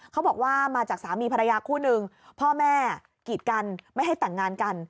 เขาบอกว่ามาจากสามีภรรยาคู่นึงพ่อแม่กีดกันไม่ให้แต่งงานกัน